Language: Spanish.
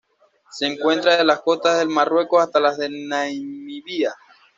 Se encuentra desde las costas del Marruecos hasta las de Namibia.